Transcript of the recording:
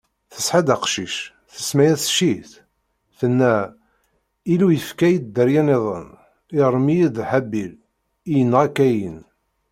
Tesɛa-d aqcic, tsemma-yas Cit, tenna: Illu yefka-yi-d dderya-nniḍen, iɣrem-iyi-d Habil, i yenɣa Kayin.